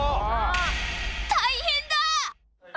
大変だ！